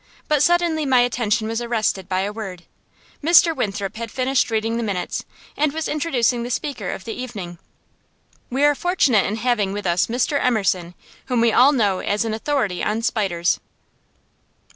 But suddenly my attention was arrested by a word. Mr. Winthrop had finished reading the minutes, and was introducing the speaker of the evening. "We are very fortunate in having with us Mr. Emerson, whom we all know as an authority on spiders."